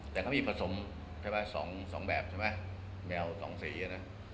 แต่เขามีผสมสองแบบแมวสองสี่